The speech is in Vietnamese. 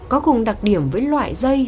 có cùng đặc điểm với loại dây